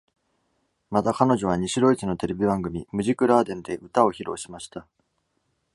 また、彼女は西ドイツのテレビ番組「Musikladen（ ムジクラーデン）」で歌を披露しました。